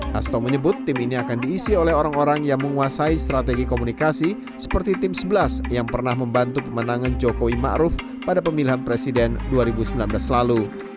hasto menyebut tim ini akan diisi oleh orang orang yang menguasai strategi komunikasi seperti tim sebelas yang pernah membantu pemenangan jokowi ⁇ maruf ⁇ pada pemilihan presiden dua ribu sembilan belas lalu